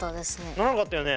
ならなかったよね。